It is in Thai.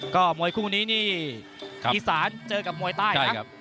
ก็มวยคู่นี้นี่อีสานเจอกับมวยใต้นะ